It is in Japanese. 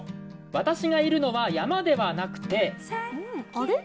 私がいるのは山ではなくてんあれ？